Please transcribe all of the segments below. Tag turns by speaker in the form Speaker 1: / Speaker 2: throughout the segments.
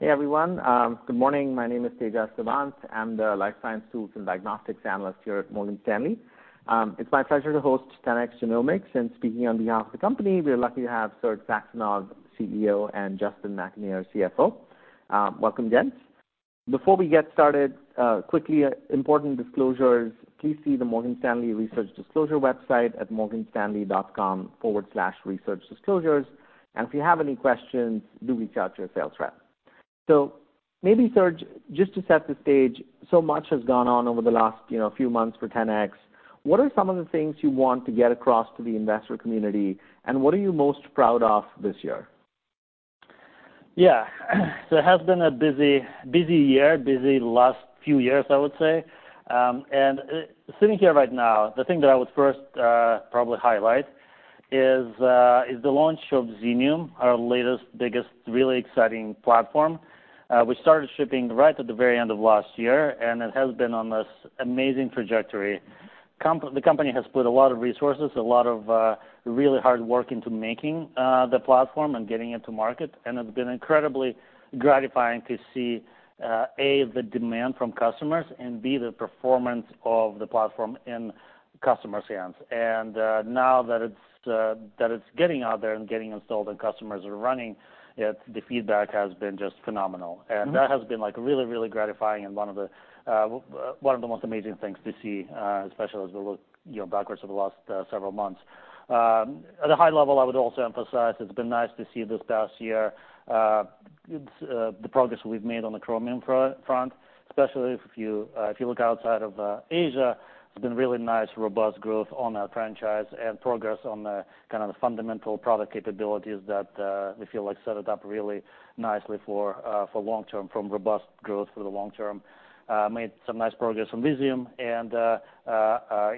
Speaker 1: Hey, everyone, good morning. My name is Tejas Savant, I'm the life science tools and diagnostics analyst here at Morgan Stanley. It's my pleasure to host 10x Genomics, and speaking on behalf of the company, we are lucky to have Serge Saxonov, CEO, and Justin McAnear, CFO. Welcome, gents. Before we get started, quickly, important disclosures, please see the Morgan Stanley research disclosure website at morganstanley.com/researchdisclosures. And if you have any questions, do reach out to your sales rep. So maybe, Serge, just to set the stage, so much has gone on over the last, you know, few months for 10x. What are some of the things you want to get across to the investor community, and what are you most proud of this year?
Speaker 2: Yeah, so it has been a busy, busy year, busy last few years, I would say. Sitting here right now, the thing that I would first probably highlight is the launch of Xenium, our latest, biggest, really exciting platform. We started shipping right at the very end of last year, and it has been on this amazing trajectory. The company has put a lot of resources, a lot of really hard work into making the platform and getting it to market, and it's been incredibly gratifying to see A, the demand from customers, and B, the performance of the platform in customers' hands. And now that it's getting out there and getting installed and customers are running it, the feedback has been just phenomenal.
Speaker 1: Mm-hmm.
Speaker 2: And that has been, like, really, really gratifying and one of the one of the most amazing things to see, especially as we look, you know, backwards over the last several months. At a high level, I would also emphasize, it's been nice to see this past year the progress we've made on the Chromium product front, especially if you look outside of Asia, it's been really nice, robust growth on our franchise and progress on the kind of the fundamental product capabilities that we feel like set it up really nicely for long term from robust growth for the long term. Made some nice progress on Visium and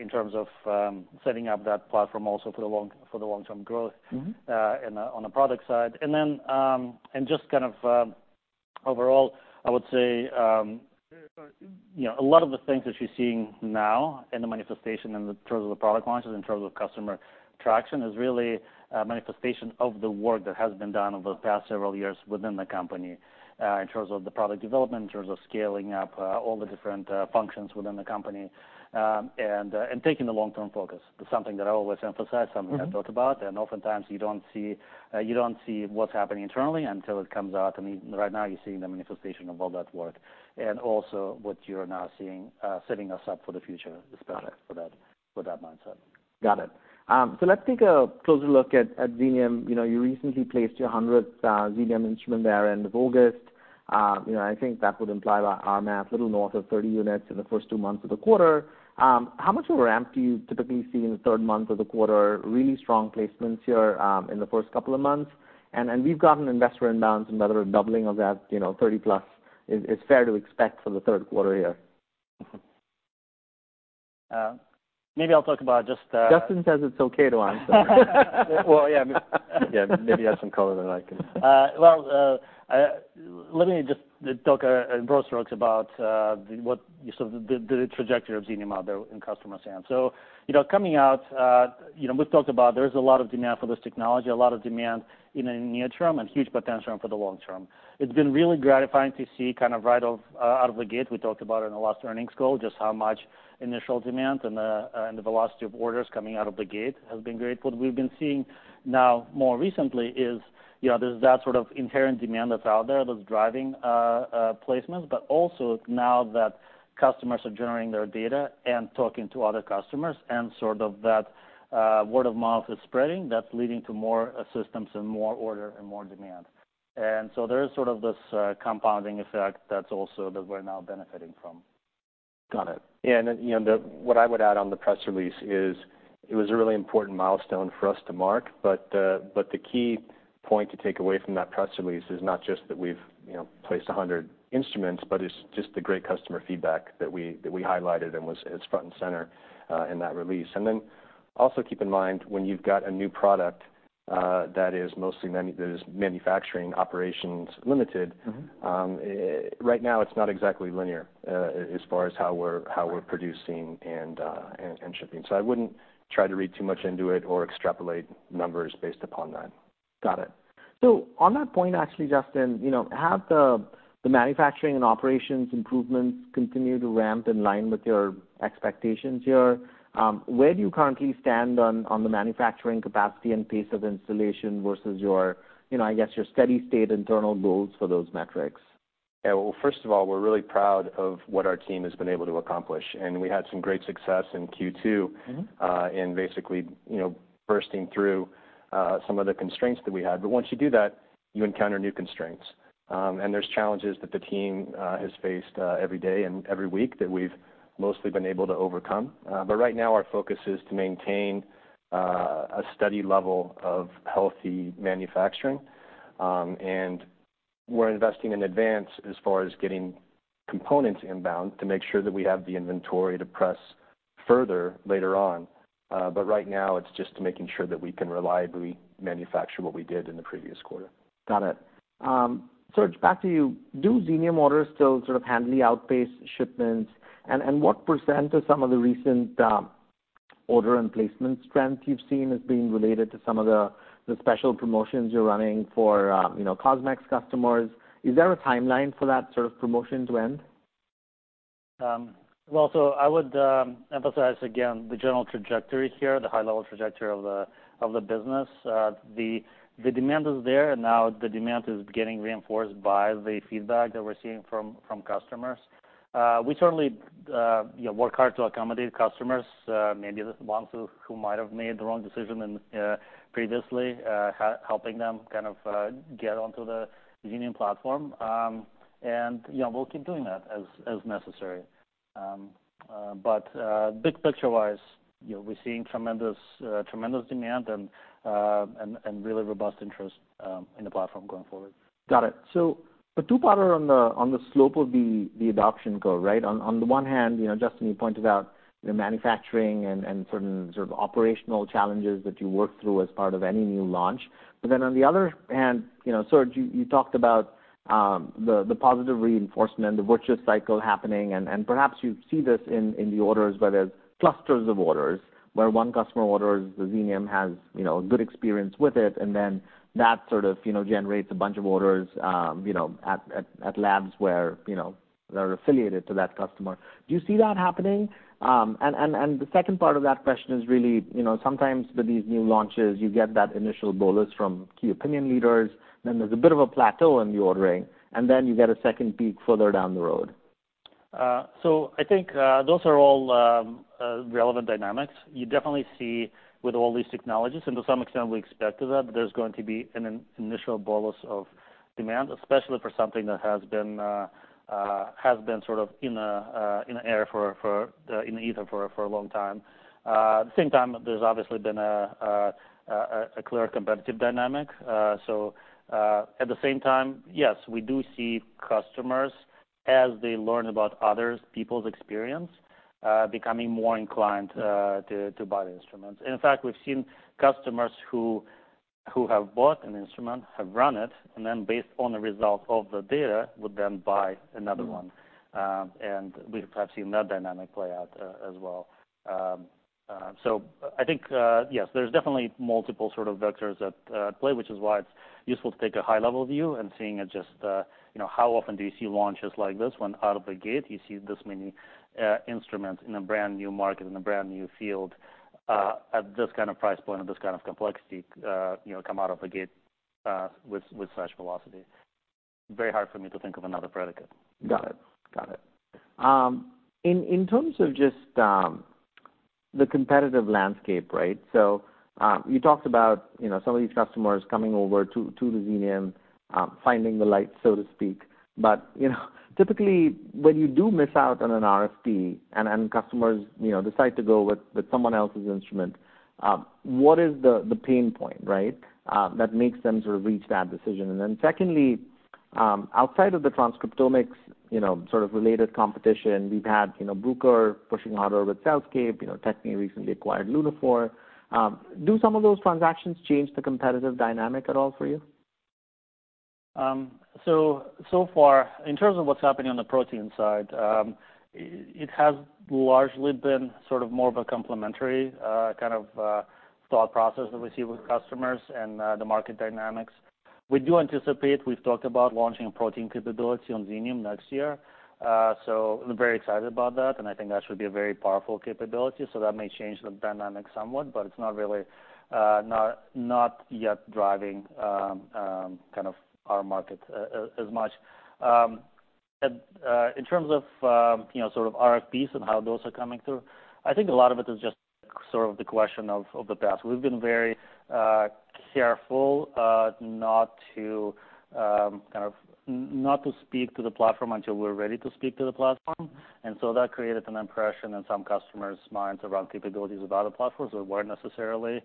Speaker 2: in terms of setting up that platform also for the long-term growth-
Speaker 1: Mm-hmm...
Speaker 2: and, on the product side. And then, and just kind of, overall, I would say, you know, a lot of the things that you're seeing now in the manifestation in the terms of the product launches, in terms of customer traction, is really a manifestation of the work that has been done over the past several years within the company, in terms of the product development, in terms of scaling up, all the different functions within the company, and, and taking the long-term focus. That's something that I always emphasize-
Speaker 1: Mm-hmm...
Speaker 2: something I thought about, and oftentimes you don't see, you don't see what's happening internally until it comes out. I mean, right now, you're seeing the manifestation of all that work, and also what you're now seeing, setting us up for the future, especially for that, for that mindset.
Speaker 1: Got it. So let's take a closer look at Xenium. You know, you recently placed your 100th Xenium instrument there end of August. You know, I think that would imply by our math, little north of 30 units in the first two months of the quarter. How much of a ramp do you typically see in the third month of the quarter? Really strong placements here in the first couple of months. And we've got an investor in bounds, another doubling of that, you know, 30 plus is fair to expect for the Q3 here.
Speaker 2: Maybe I'll talk about just,
Speaker 3: Justin says it's okay to answer.
Speaker 2: Well, yeah.
Speaker 3: Yeah, maybe add some color, and I can-
Speaker 2: Well, let me just talk in broad strokes about the trajectory of Xenium out there in customers' hands. So, you know, coming out, you know, we've talked about there's a lot of demand for this technology, a lot of demand in the near term and huge potential for the long term. It's been really gratifying to see kind of right off out of the gate, we talked about in the last earnings call, just how much initial demand and the velocity of orders coming out of the gate has been very good. What we've been seeing now more recently is, you know, there's that sort of inherent demand that's out there that's driving placements, but also now that customers are generating their data and talking to other customers, and sort of that word of mouth is spreading, that's leading to more systems and more order and more demand. And so there is sort of this compounding effect that's also that we're now benefiting from.
Speaker 1: Got it.
Speaker 3: Yeah, you know, what I would add on the press release is, it was a really important milestone for us to mark, but the key point to take away from that press release is not just that we've, you know, placed 100 instruments, but it's just the great customer feedback that we highlighted, and it's front and center in that release. And then, also keep in mind, when you've got a new product that is mostly manufacturing operations limited-
Speaker 1: Mm-hmm.
Speaker 3: Right now, it's not exactly linear, as far as how we're producing and shipping. So I wouldn't try to read too much into it or extrapolate numbers based upon that.
Speaker 1: Got it. So on that point, actually, Justin, you know, have the manufacturing and operations improvements continued to ramp in line with your expectations here? Where do you currently stand on the manufacturing capacity and pace of installation versus your, you know, I guess, your steady-state internal goals for those metrics?
Speaker 3: Yeah, well, first of all, we're really proud of what our team has been able to accomplish, and we had some great success in Q2-
Speaker 1: Mm-hmm
Speaker 3: In basically, you know, bursting through some of the constraints that we had. But once you do that, you encounter new constraints. And there's challenges that the team has faced every day and every week that we've mostly been able to overcome. But right now our focus is to maintain a steady level of healthy manufacturing. And we're investing in advance as far as getting components inbound to make sure that we have the inventory to press further later on. But right now, it's just making sure that we can reliably manufacture what we did in the previous quarter.
Speaker 1: Got it. Serge, back to you. Do Xenium orders still sort of handily outpace shipments? And what percent of some of the recent order and placement strength you've seen as being related to some of the special promotions you're running for, you know, CosMx customers. Is there a timeline for that sort of promotion to end?
Speaker 2: Well, so I would emphasize again, the general trajectory here, the high level trajectory of the business. The demand is there, and now the demand is getting reinforced by the feedback that we're seeing from customers. We certainly, you know, work hard to accommodate customers, maybe the ones who might have made the wrong decision in previously, helping them kind of get onto the Xenium platform. And, you know, we'll keep doing that as necessary. But, big picture-wise, you know, we're seeing tremendous tremendous demand and, and really robust interest in the platform going forward.
Speaker 1: Got it. So a two-parter on the slope of the adoption curve, right? On the one hand, you know, Justin, you pointed out the manufacturing and certain sort of operational challenges that you work through as part of any new launch. But then on the other hand, you know, Serge, you talked about the positive reinforcement, the virtuous cycle happening, and perhaps you see this in the orders, where there's clusters of orders, where one customer orders the Xenium, has a good experience with it, and then that sort of generates a bunch of orders, you know, at labs where that are affiliated to that customer. Do you see that happening? The second part of that question is really, you know, sometimes with these new launches, you get that initial bolus from key opinion leaders, then there's a bit of a plateau in the ordering, and then you get a second peak further down the road.
Speaker 2: So I think those are all relevant dynamics. You definitely see with all these technologies, and to some extent we expected that, there's going to be an initial bolus of demand, especially for something that has been sort of in the ether for a long time. At the same time, there's obviously been a clear competitive dynamic. So at the same time, yes, we do see customers, as they learn about other people's experience, becoming more inclined to buy the instruments. In fact, we've seen customers who have bought an instrument, have run it, and then based on the results of the data, would then buy another one. And we've perhaps seen that dynamic play out as well. So I think, yes, there's definitely multiple sort of vectors at play, which is why it's useful to take a high-level view and seeing it just, you know, how often do you see launches like this one out of the gate? You see this many instrument in a brand-new market, in a brand-new field, at this kind of price point and this kind of complexity, you know, come out of the gate, with such velocity. Very hard for me to think of another predicate.
Speaker 1: Got it. Got it. In terms of just the competitive landscape, right? So, you talked about, you know, some of these customers coming over to the Xenium, finding the light, so to speak. But, you know, typically, when you do miss out on an RFP, and customers, you know, decide to go with someone else's instrument, what is the pain point, right, that makes them sort of reach that decision? And then secondly, outside of the transcriptomics, you know, sort of related competition, we've had, you know, Bruker pushing harder with CellScape, you know, Tecan recently acquired Lunaphore. Do some of those transactions change the competitive dynamic at all for you?
Speaker 2: So far, in terms of what's happening on the protein side, it has largely been sort of more of a complementary kind of thought process that we see with customers and the market dynamics. We do anticipate, we've talked about launching a protein capability on Xenium next year. So we're very excited about that, and I think that should be a very powerful capability. So that may change the dynamic somewhat, but it's not really not yet driving kind of our market as much. And in terms of you know, sort of RFPs and how those are coming through, I think a lot of it is just sort of the question of the past. We've been very careful not to kind of not to speak to the platform until we're ready to speak to the platform, and so that created an impression in some customers' minds around capabilities of other platforms that weren't necessarily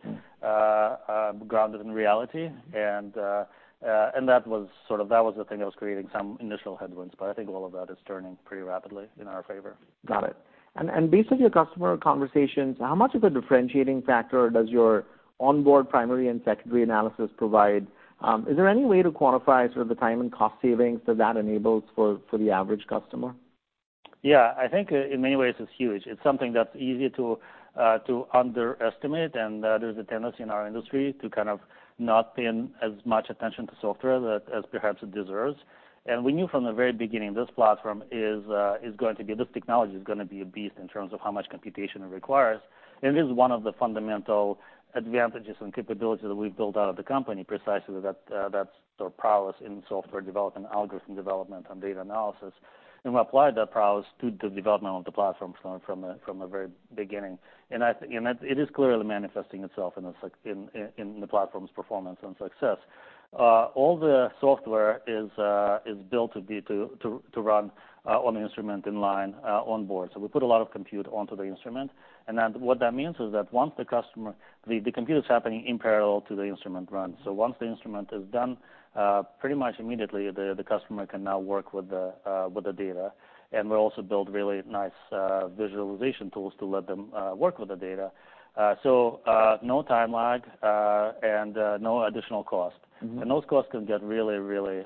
Speaker 2: and that was sort of that was the thing that was creating some initial headwinds, but I think all of that is turning pretty rapidly in our favor.
Speaker 1: Got it. And based on your customer conversations, how much of a differentiating factor does your onboard primary and secondary analysis provide? Is there any way to quantify sort of the time and cost savings that that enables for the average customer?
Speaker 2: Yeah. I think in many ways, it's huge. It's something that's easy to underestimate, and there's a tendency in our industry to kind of not pay as much attention to software as perhaps it deserves. And we knew from the very beginning, this platform is going to be... This technology is gonna be a beast in terms of how much computation it requires. And this is one of the fundamental advantages and capabilities that we've built out of the company, precisely that sort of prowess in software development, algorithm development, and data analysis. And we applied that prowess to the development of the platform from the very beginning. And I think it is clearly manifesting itself in the platform's performance and success. All the software is built to be, to run on the instrument in line, on board. So we put a lot of compute onto the instrument. And then what that means is that once the compute's happening in parallel to the instrument run. So once the instrument is done, pretty much immediately, the customer can now work with the data, and we also build really nice visualization tools to let them work with the data. So no time lag, and no additional cost.
Speaker 1: Mm-hmm.
Speaker 2: And those costs can get really, really,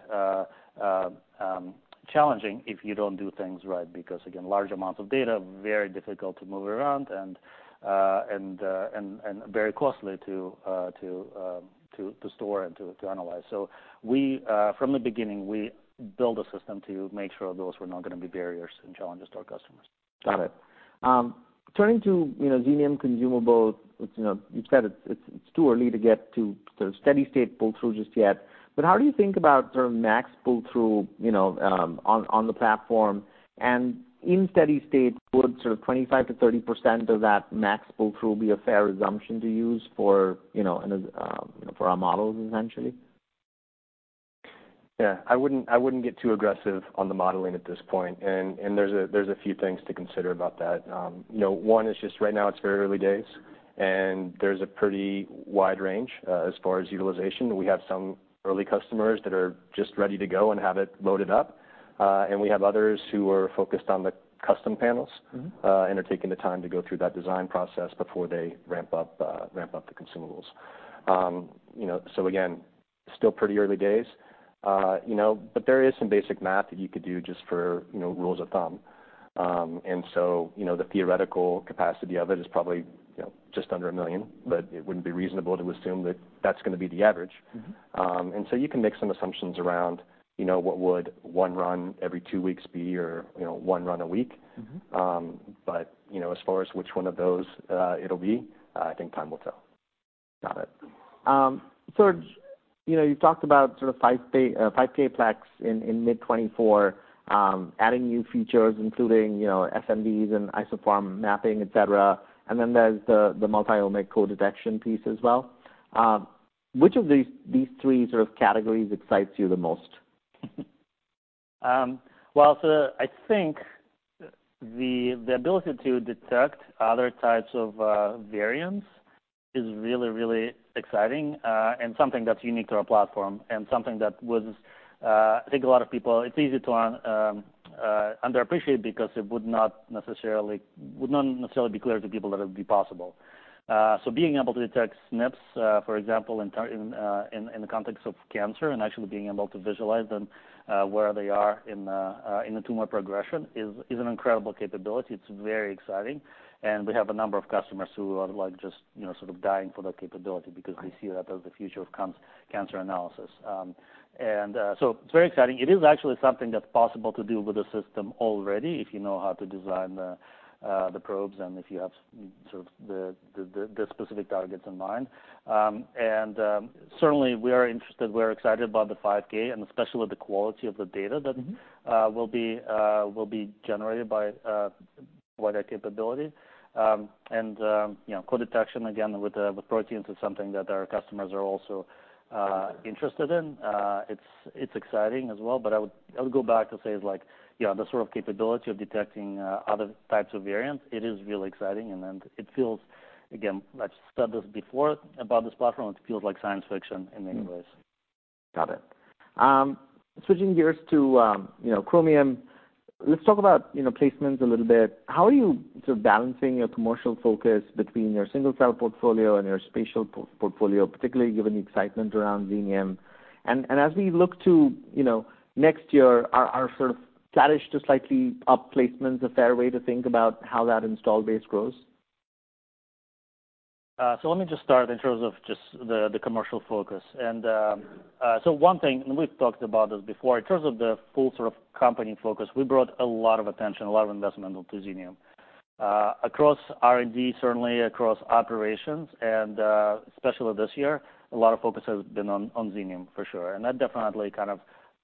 Speaker 2: challenging if you don't do things right, because, again, large amounts of data, very difficult to move around and very costly to store and to analyze. So we, from the beginning, we built a system to make sure those were not gonna be barriers and challenges to our customers....
Speaker 1: Got it. Turning to, you know, Xenium consumable, it's, you know, you've said it's too early to get to the steady state pull-through just yet, but how do you think about sort of max pull-through, you know, on the platform? And in steady state, would sort of 25%-30% of that max pull-through be a fair assumption to use for, you know, for our models eventually?
Speaker 3: Yeah, I wouldn't, I wouldn't get too aggressive on the modeling at this point, and, and there's a, there's a few things to consider about that. You know, one is just right now, it's very early days, and there's a pretty wide range as far as utilization. We have some early customers that are just ready to go and have it loaded up, and we have others who are focused on the custom panels-
Speaker 1: Mm-hmm.
Speaker 3: and are taking the time to go through that design process before they ramp up, ramp up the consumables. You know, so again, still pretty early days, you know, but there is some basic math that you could do just for, you know, rules of thumb. And so, you know, the theoretical capacity of it is probably, you know, just under a million, but it wouldn't be reasonable to assume that that's gonna be the average.
Speaker 1: Mm-hmm.
Speaker 3: And so you can make some assumptions around, you know, what would one run every two weeks be, or, you know, one run a week.
Speaker 1: Mm-hmm.
Speaker 3: You know, as far as which one of those, it'll be, I think time will tell.
Speaker 1: Got it. So, you know, you talked about sort of 5K Plex in mid-2024, adding new features, including, you know, FMD and Isoform Mapping, et cetera. And then there's the multi-omic co-detection piece as well. Which of these three sort of categories excites you the most?
Speaker 2: Well, so I think the ability to detect other types of variants is really, really exciting, and something that's unique to our platform and something that was, I think a lot of people... It's easy to underappreciate because it would not necessarily be clear to people that it would be possible. So being able to detect SNPs, for example, in the context of cancer and actually being able to visualize them, where they are in the tumor progression, is an incredible capability. It's very exciting, and we have a number of customers who are, like, just, you know, sort of dying for that capability-
Speaker 1: Mm-hmm.
Speaker 2: because they see that as the future of cancer analysis. It's very exciting. It is actually something that's possible to do with the system already, if you know how to design the probes and if you have sort of the specific targets in mind. Certainly, we are interested, we are excited about the 5K, and especially with the quality of the data that-
Speaker 1: Mm-hmm...
Speaker 2: will be, will be generated by, by that capability. And, you know, co-detection, again, with the, with proteins, is something that our customers are also, interested in. It's, it's exciting as well, but I would, I would go back to say it's like, yeah, the sort of capability of detecting, other types of variants, it is really exciting, and then it feels, again, I've said this before about this platform, it feels like science fiction in many ways.
Speaker 1: Mm-hmm. Got it. Switching gears to, you know, Chromium, let's talk about, you know, placements a little bit. How are you sort of balancing your commercial focus between your single-cell portfolio and your spatial portfolio, particularly given the excitement around Xenium? And as we look to, you know, next year, are sort of flattish to slightly up placements a fair way to think about how that install base grows?
Speaker 2: So let me just start in terms of just the commercial focus. And so one thing, and we've talked about this before, in terms of the full sort of company focus, we brought a lot of attention, a lot of investment to Xenium. Across R&D, certainly across operations, and especially this year, a lot of focus has been on Xenium, for sure. And that definitely kind of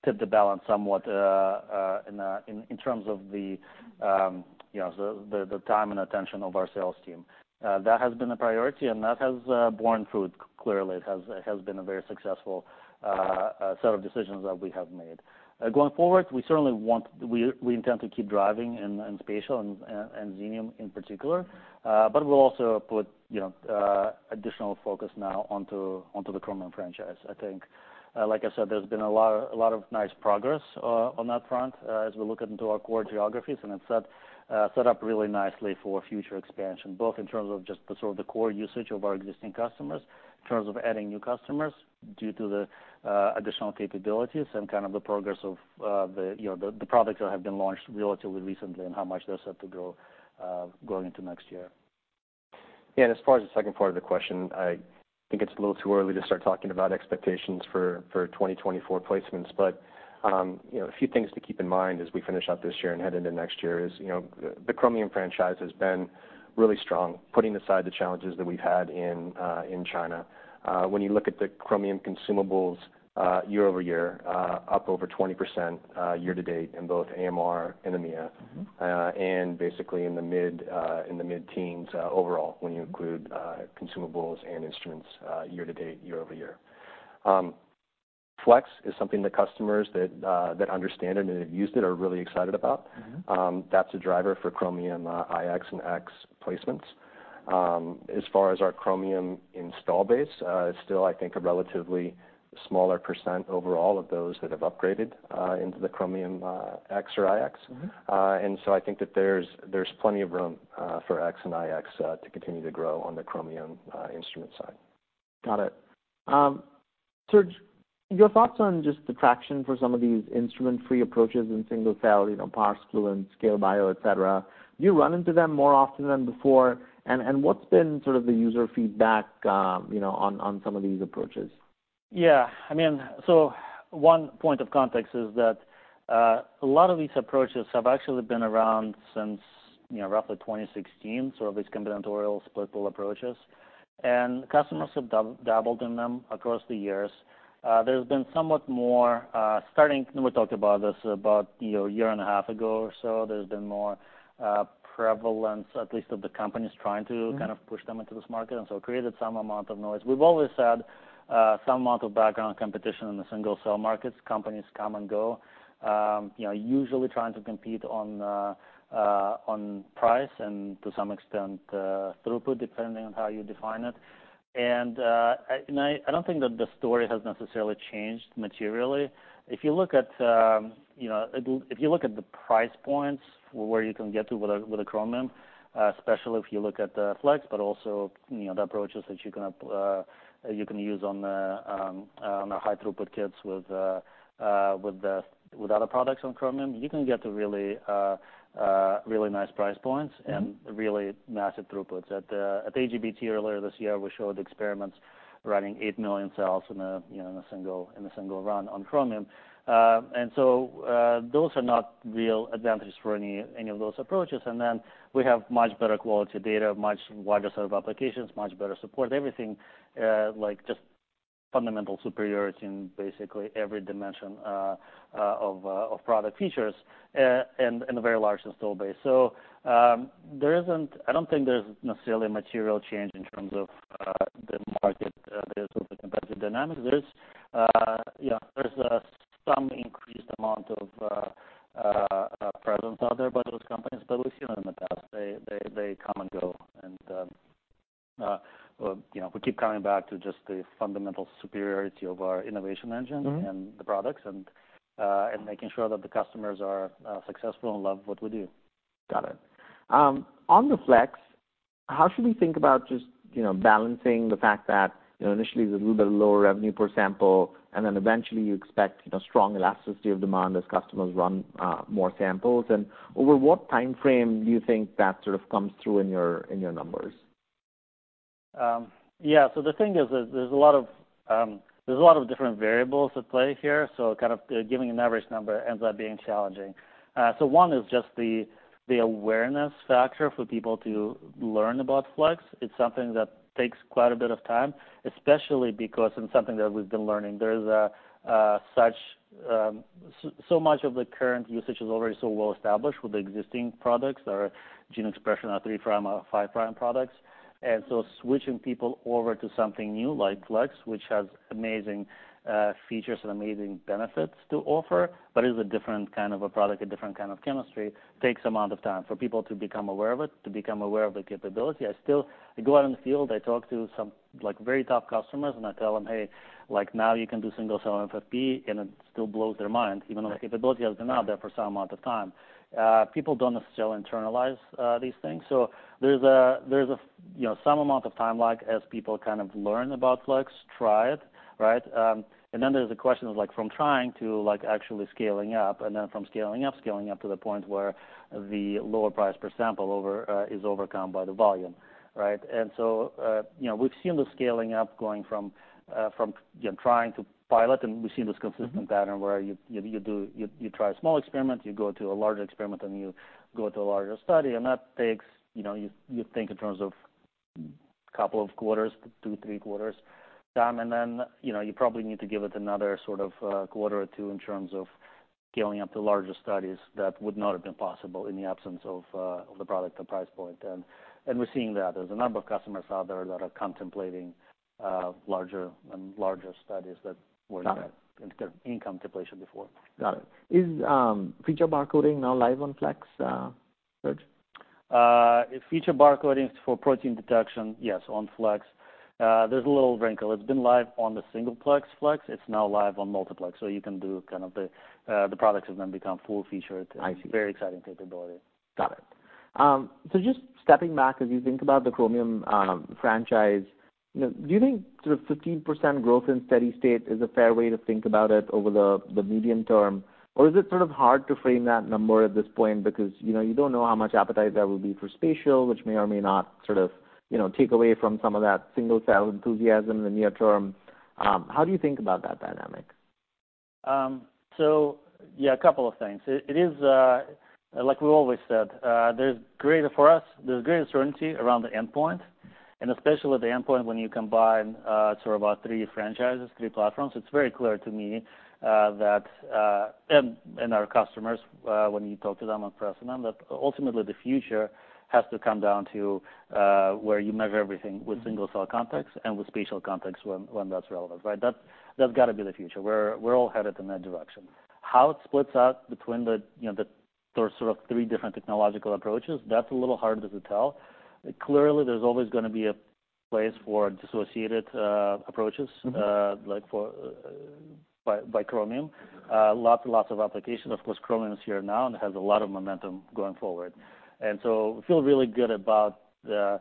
Speaker 2: tipped the balance somewhat in terms of, you know, the time and attention of our sales team. That has been a priority, and that has borne fruit. Clearly, it has been a very successful set of decisions that we have made. Going forward, we certainly want... We intend to keep driving in spatial and Xenium in particular, but we'll also put, you know, additional focus now onto the Chromium franchise. I think, like I said, there's been a lot of nice progress on that front as we look into our core geographies, and it's set up really nicely for future expansion, both in terms of just the sort of the core usage of our existing customers, in terms of adding new customers due to the additional capabilities and kind of the progress of the, you know, the products that have been launched relatively recently and how much those have to grow going into next year.
Speaker 3: Yeah, and as far as the second part of the question, I think it's a little too early to start talking about expectations for, for 2024 placements. But, you know, a few things to keep in mind as we finish out this year and head into next year is, you know, the Chromium franchise has been really strong, putting aside the challenges that we've had in, in China. When you look at the Chromium consumables, year over year, up over 20%, year to date in both AMR and EMEA-
Speaker 1: Mm-hmm...
Speaker 3: and basically in the mid-teens overall, when you include consumables and instruments, year-to-date year-over-year. Flex is something that customers that understand it and have used it are really excited about.
Speaker 1: Mm-hmm.
Speaker 3: That's a driver for Chromium iX and X placements. As far as our Chromium install base, it's still, I think, a relatively smaller percent overall of those that have upgraded into the Chromium X or iX.
Speaker 1: Mm-hmm.
Speaker 3: I think that there's plenty of room for X and iX to continue to grow on the Chromium instrument side.
Speaker 1: Got it. Serge, your thoughts on just the traction for some of these instrument-free approaches in single-cell, you know, Parse Flu and Scale Bio, et cetera. Do you run into them more often than before? And what's been sort of the user feedback, you know, on some of these approaches?
Speaker 2: ...Yeah, I mean, so one point of context is that a lot of these approaches have actually been around since, you know, roughly 2016, so these combinatorial split pool approaches. And customers have dabbled in them across the years. There's been somewhat more starting, and we talked about this about, you know, a year and a half ago or so, there's been more prevalence, at least of the companies, trying to kind of push them into this market, and so it created some amount of noise. We've always had some amount of background competition in the single-cell markets. Companies come and go, you know, usually trying to compete on price and to some extent throughput, depending on how you define it. And I don't think that the story has necessarily changed materially. If you look at, you know, if you look at the price points where you can get to with a Chromium, especially if you look at the Flex, but also, you know, the approaches that you can use on the high throughput kits with other products on Chromium, you can get to really nice price points and really massive throughputs. At AGBT earlier this year, we showed experiments running 8 million cells in a single run on Chromium. And so, those are not real advantages for any of those approaches. Then we have much better quality data, much wider set of applications, much better support, everything, like, just fundamental superiority in basically every dimension of product features, and a very large install base. So, there isn't. I don't think there's necessarily a material change in terms of the market, there's of the competitive dynamics. There's, yeah, there's some increased amount of presence out there by those companies, but we've seen it in the past. They come and go. And, you know, we keep coming back to just the fundamental superiority of our innovation engine-
Speaker 1: Mm-hmm.
Speaker 2: and the products, and making sure that the customers are successful and love what we do.
Speaker 1: Got it. On the Flex, how should we think about just, you know, balancing the fact that, you know, initially, there's a little bit of lower revenue per sample, and then eventually, you expect, you know, strong elasticity of demand as customers run, more samples? And over what time frame do you think that sort of comes through in your, in your numbers?
Speaker 2: Yeah. So the thing is, there's a lot of different variables at play here, so kind of giving an average number ends up being challenging. So one is just the awareness factor for people to learn about Flex. It's something that takes quite a bit of time, especially because, and something that we've been learning, there's so much of the current usage is already so well established with the existing products, our gene expression, our 3' prime, our 5' prime products. And so switching people over to something new, like Flex, which has amazing features and amazing benefits to offer, but is a different kind of a product, a different kind of chemistry, takes amount of time for people to become aware of it, to become aware of the capability. I still, I go out in the field, I talk to some, like, very top customers, and I tell them, "Hey, like, now you can do single-cell FFPE," and it still blows their mind, even though the capability has been out there for some amount of time. People don't necessarily internalize these things. So there's a, you know, some amount of time lag as people kind of learn about Flex, try it, right? And then there's the question of, like, from trying to, like, actually scaling up, and then from scaling up, scaling up to the point where the lower price per sample over, is overcome by the volume, right? And so, you know, we've seen the scaling up going from, you know, trying to pilot, and we've seen this consistent pattern where you do... You try a small experiment, you go to a larger experiment, and you go to a larger study, and that takes, you know, you think in terms of couple of quarters, 2, 3 quarters time. And then, you know, you probably need to give it another sort of quarter or 2 in terms of scaling up to larger studies that would not have been possible in the absence of the product and price point. And we're seeing that. There's a number of customers out there that are contemplating larger and larger studies that weren't-
Speaker 1: Got it.
Speaker 2: in contemplation before.
Speaker 1: Got it. Is Feature Barcoding now live on Flex, Serge?
Speaker 2: Feature Barcoding for protein detection, yes, on Flex. There's a little wrinkle. It's been live on the single plex Flex. It's now live on multiplex, so you can do kind of the, the products have then become full featured.
Speaker 1: I see.
Speaker 2: Very exciting capability.
Speaker 1: Got it. So just stepping back, as you think about the Chromium franchise, you know, do you think sort of 15% growth in steady state is a fair way to think about it over the, the medium term? Or is it sort of hard to frame that number at this point because, you know, you don't know how much appetite there will be for spatial, which may or may not sort of, you know, take away from some of that single-cell enthusiasm in the near term. How do you think about that dynamic?
Speaker 2: So, yeah, a couple of things. It is, like we always said, there's greater for us, there's greater certainty around the endpoint, and especially with the endpoint, when you combine sort of our three franchises, three platforms, it's very clear to me that, and our customers, when you talk to them on press, that ultimately, the future has to come down to where you measure everything with single-cell context and with spatial context, when that's relevant, right? That's got to be the future. We're all headed in that direction. How it splits out between the, you know, the sort of three different technological approaches, that's a little harder to tell. Clearly, there's always gonna be a place for dissociated approaches-
Speaker 1: Mm-hmm.
Speaker 2: Like for by Chromium, lots and lots of applications. Of course, Chromium is here now, and it has a lot of momentum going forward. And so we feel really good about the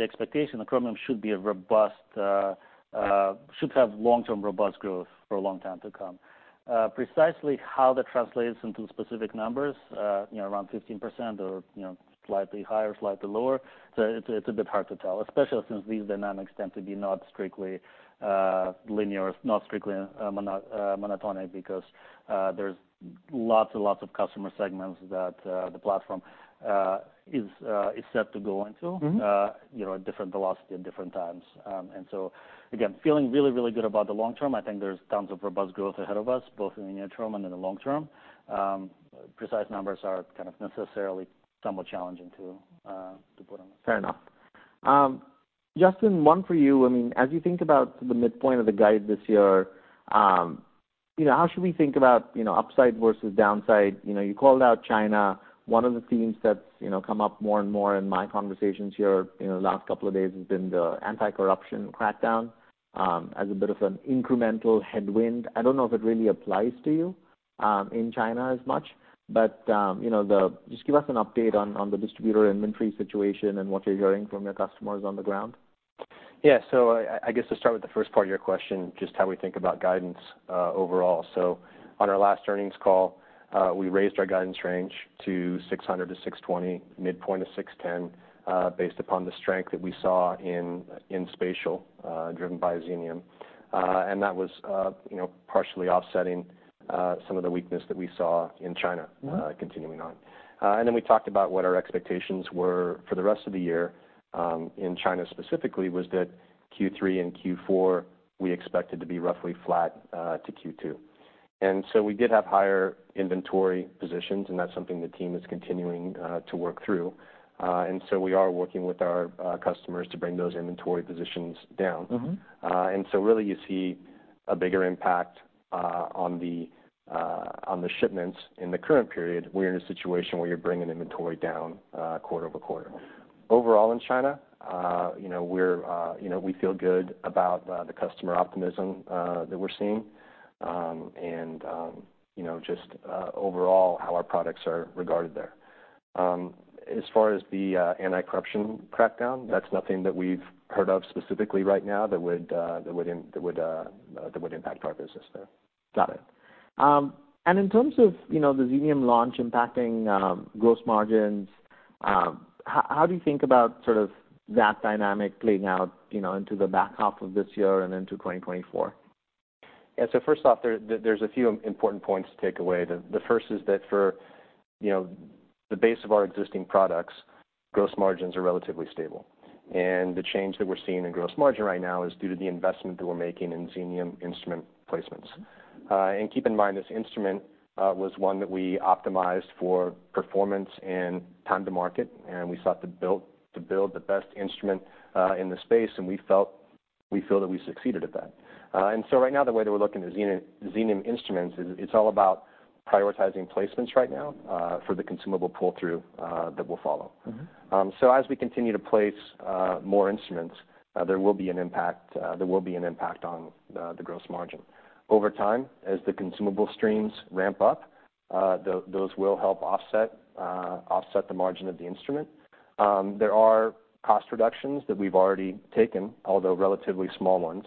Speaker 2: expectation that Chromium should be a robust, should have long-term robust growth for a long time to come. Precisely how that translates into specific numbers, you know, around 15% or, you know, slightly higher, slightly lower, so it's a bit hard to tell, especially since these dynamics tend to be not strictly linear, not strictly monotonic, because there's lots and lots of customer segments that the platform is set to go into-
Speaker 1: Mm-hmm.
Speaker 2: You know, at different velocity at different times. And so again, feeling really, really good about the long term. I think there's tons of robust growth ahead of us, both in the near term and in the long term. Precise numbers are kind of necessarily somewhat challenging to put on.
Speaker 1: Fair enough. Justin, one for you. I mean, as you think about the midpoint of the guide this year, you know, how should we think about, you know, upside versus downside? You know, you called out China. One of the themes that's, you know, come up more and more in my conversations here in the last couple of days has been the anti-corruption crackdown, as a bit of an incremental headwind. I don't know if it really applies to you, in China as much, but, you know, Just give us an update on, on the distributor inventory situation and what you're hearing from your customers on the ground.
Speaker 3: Yeah. So I guess to start with the first part of your question, just how we think about guidance, overall. So on our last earnings call, we raised our guidance range to $600-$620, midpoint of $610, based upon the strength that we saw in spatial, driven by Xenium. And that was, you know, partially offsetting some of the weakness that we saw in China-
Speaker 1: Mm-hmm
Speaker 3: Continuing on. And then we talked about what our expectations were for the rest of the year, in China specifically, was that Q3 and Q4, we expected to be roughly flat, to Q2. And so we did have higher inventory positions, and that's something the team is continuing, to work through. And so we are working with our customers to bring those inventory positions down.
Speaker 1: Mm-hmm.
Speaker 3: And so really, you see a bigger impact on the shipments in the current period. We're in a situation where you're bringing inventory down quarter-over-quarter. Overall in China, you know, we're, you know, we feel good about the customer optimism that we're seeing. And you know, just overall, how our products are regarded there. As far as the anti-corruption crackdown, that's nothing that we've heard of specifically right now that would impact our business there.
Speaker 1: Got it. In terms of, you know, the Xenium launch impacting gross margins, how do you think about sort of that dynamic playing out, you know, into the back half of this year and into 2024?
Speaker 3: Yeah. So first off, there's a few important points to take away. The first is that for, you know, the base of our existing products, gross margins are relatively stable, and the change that we're seeing in gross margin right now is due to the investment that we're making in Xenium instrument placements. And keep in mind, this instrument was one that we optimized for performance and time to market, and we sought to build the best instrument in the space, and we feel that we succeeded at that. And so right now, the way that we're looking at Xenium instruments is, it's all about prioritizing placements right now for the consumable pull-through that will follow.
Speaker 1: Mm-hmm.
Speaker 3: So as we continue to place more instruments, there will be an impact, there will be an impact on the gross margin. Over time, as the consumable streams ramp up, those will help offset the margin of the instrument. There are cost reductions that we've already taken, although relatively small ones.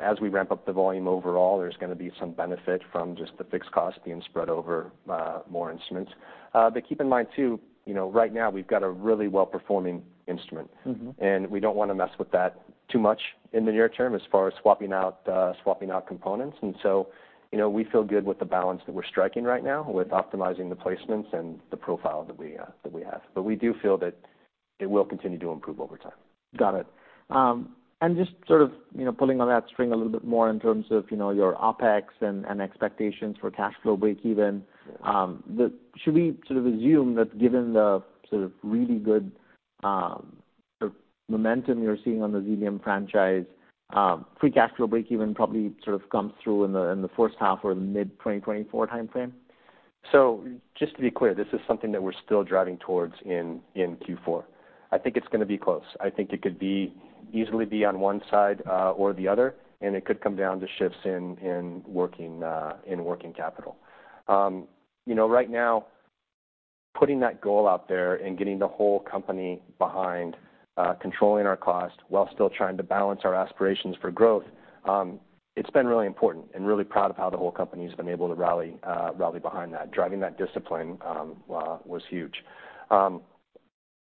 Speaker 3: As we ramp up the volume overall, there's gonna be some benefit from just the fixed cost being spread over more instruments. But keep in mind too, you know, right now we've got a really well-performing instrument.
Speaker 1: Mm-hmm.
Speaker 3: We don't wanna mess with that too much in the near term as far as swapping out components. So, you know, we feel good with the balance that we're striking right now with optimizing the placements and the profile that we have. But we do feel that it will continue to improve over time.
Speaker 1: Got it. And just sort of, you know, pulling on that string a little bit more in terms of, you know, your OpEx and expectations for cash flow breakeven, should we sort of assume that given the sort of really good sort of momentum you're seeing on the Xenium franchise, free cash flow breakeven probably sort of comes through in the first half or mid-2024 timeframe?
Speaker 3: So just to be clear, this is something that we're still driving towards in Q4. I think it's gonna be close. I think it could easily be on one side or the other, and it could come down to shifts in working capital. You know, right now, putting that goal out there and getting the whole company behind controlling our cost while still trying to balance our aspirations for growth, it's been really important and really proud of how the whole company's been able to rally behind that. Driving that discipline was huge.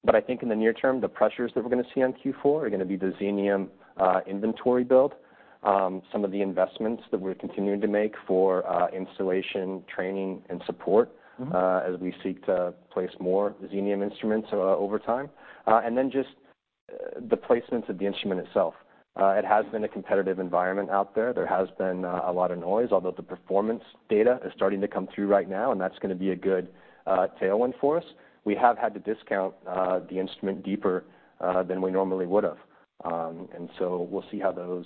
Speaker 3: But I think in the near term, the pressures that we're gonna see on Q4 are gonna be the Xenium inventory build, some of the investments that we're continuing to make for installation, training, and support-
Speaker 1: Mm-hmm...
Speaker 3: as we seek to place more Xenium instruments over time. And then just the placements of the instrument itself. It has been a competitive environment out there. There has been a lot of noise, although the performance data is starting to come through right now, and that's gonna be a good tailwind for us. We have had to discount the instrument deeper than we normally would've. And so we'll see how those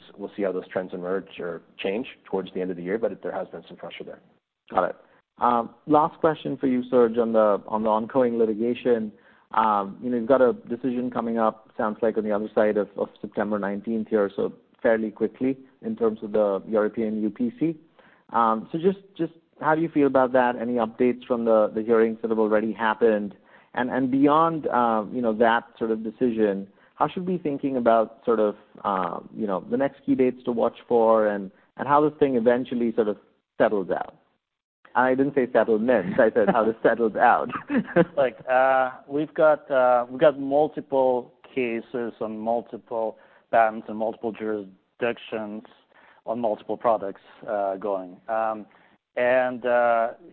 Speaker 3: trends emerge or change towards the end of the year, but there has been some pressure there.
Speaker 1: Got it. Last question for you, Serge, on the ongoing litigation. You know, you've got a decision coming up, sounds like on the other side of September nineteenth here, so fairly quickly in terms of the European UPC. So just how do you feel about that? Any updates from the hearings that have already happened? And beyond, you know, that sort of decision, how should we be thinking about sort of, you know, the next key dates to watch for and how this thing eventually sort of settles out? I didn't say settles in, I said, how this settles out.
Speaker 2: Like, we've got we've got multiple cases on multiple patents and multiple jurisdictions on multiple products going. And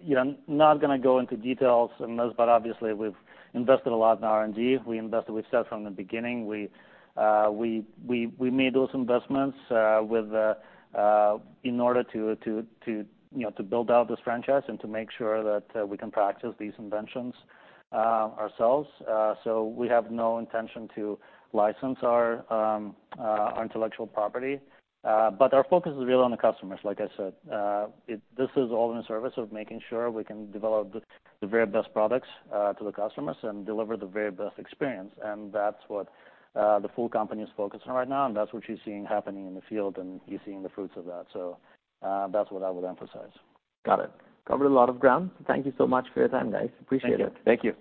Speaker 2: you know, I'm not gonna go into details on this, but obviously we've invested a lot in R&D. We invested... We've said from the beginning, we we we made those investments with in order to you know, to build out this franchise and to make sure that we can practice these inventions ourselves. So we have no intention to license our our intellectual property, but our focus is really on the customers, like I said. This is all in the service of making sure we can develop the very best products to the customers and deliver the very best experience, and that's what the full company is focusing on right now, and that's what you're seeing happening in the field, and you're seeing the fruits of that. So, that's what I would emphasize.
Speaker 1: Got it. Covered a lot of ground. Thank you so much for your time, guys. Appreciate it.
Speaker 2: Thank you.
Speaker 3: Thank you.